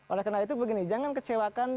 oleh karena itu begini jangan kecewakan